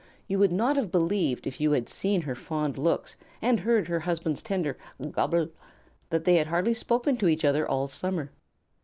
You would not have believed if you had seen her fond looks, and heard her husband's tender "Gobble," that they had hardly spoken to each other all summer.